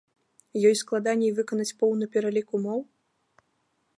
Ёй складаней выканаць поўны пералік умоў?